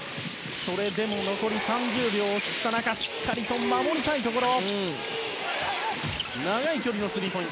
それでも残り３０秒を切った中でしっかりと守りたいところ。